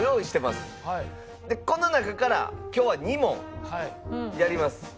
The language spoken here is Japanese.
この中から今日は２問やります。